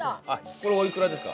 これおいくらですか？